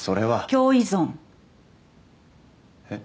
共依存えっ？